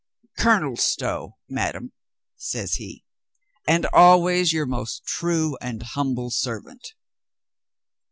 "Colonel Stow, madame," says he, "and always your most true and humble servant."